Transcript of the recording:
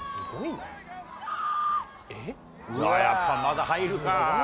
やっぱ、まだ入るか。